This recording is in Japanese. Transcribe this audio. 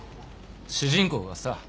主人公がさ